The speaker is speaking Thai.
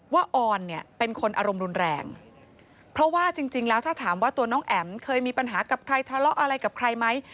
ออนเนี่ยเป็นคนอารมณ์รุนแรงเพราะว่าจริงแล้วถ้าถามว่าตัวน้องแอ๋มเคยมีปัญหากับใครทะเลาะอะไรกับใครไหม